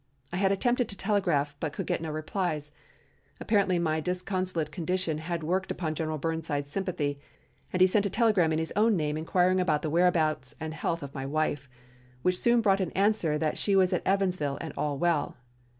I had attempted to telegraph, but could get no replies. Apparently my disconsolate condition had worked upon General Burnside's sympathy, as he sent a telegram in his own name inquiring about the whereabouts and health of my wife, which soon brought an answer that she was at Evansville and "all well."